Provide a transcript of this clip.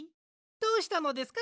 どうしたのですか？